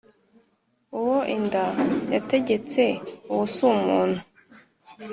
Uwo inda yategetse uwo si umuntu.